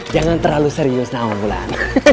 jangan terlalu serius enam bulan